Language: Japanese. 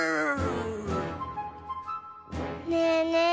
ねえねえ